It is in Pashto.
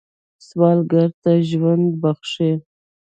سوالګر ته ژوند بخښئ